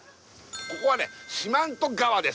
ここはね四万十川です